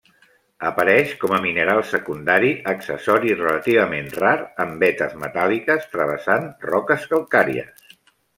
Apareix com a mineral secundari accessori relativament rar en vetes metàl·liques travessant roques calcàries.